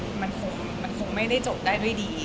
คุณรักผมว่ามันคงไม่ได้จบได้ด้วยดี